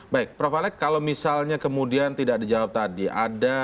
baik prof alek kalau misalnya kemudian tidak dijawab tadi apa yang akan dijawab